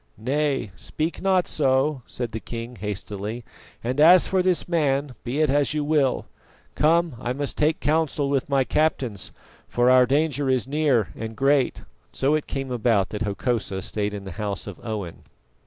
"Nay, speak not so," said the king hastily; "and as for this man, be it as you will. Come, I must take counsel with my captains, for our danger is near and great." So it came about that Hokosa stayed in the house of Owen.